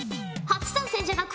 初参戦じゃが